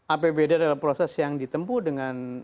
apbd dalam proses yang ditempuh dengan